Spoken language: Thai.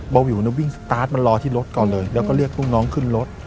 เบาวิววิ่งสตาร์ทมารอที่รถก่อนเลยแล้วก็เรียกลูกน้องขึ้นรถ